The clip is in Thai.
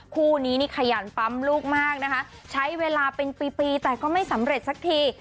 คู่นี้นี่ขยันปั๊มลูกมากนะคะใช้เวลาเป็นปีปีแต่ก็ไม่สำเร็จสักที